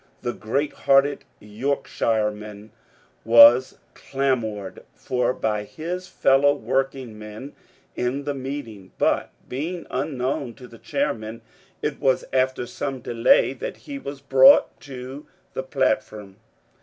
The great hearted Yorkshireman was clamoured for by his fellow workingmen in the meeting, but being unknown to the chairman, it was after some delay that he was brought to the platform.